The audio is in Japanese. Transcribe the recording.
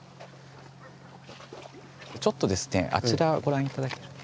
ちょっとですねあちらご覧頂けると。